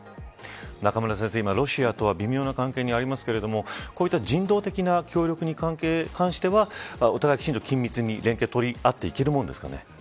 中村先生、今、ロシアとは微妙な関係にありますが、こうした人道的な協力に関してはお互い、きちんと緊密に連携を取り合っていけるものですかね。